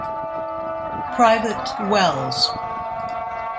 Private Wells